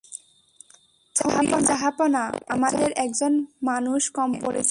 থরির, জাহাঁপনা, আমাদের একজন মানুষ কম পড়েছে।